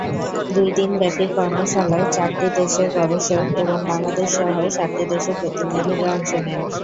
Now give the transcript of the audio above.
দুই দিনব্যাপী কর্মশালায় চারটি দেশের গবেষক এবং বাংলাদেশসহ সাতটি দেশের প্রতিনিধিরা অংশ নেন।